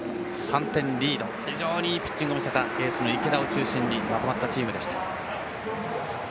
３点リード非常にいいピッチングを見せたエースの池田を中心にまとまったチームでした。